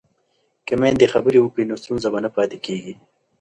که میندې خبرې وکړي نو ستونزه به نه پاتې کېږي.